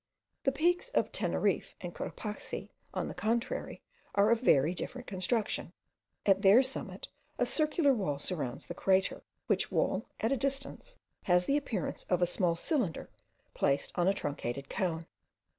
The peaks of Teneriffe and Cotopaxi, on the contrary, are of very different construction. At their summit a circular wall surrounds the crater; which wall, at a distance, has the appearance of a small cylinder placed on a truncated cone.